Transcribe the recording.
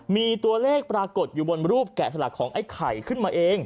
มีตัวเลขปรากฏอยู่บนรูปแกะสลักของไอ้ไข่ขึ้นมาเอง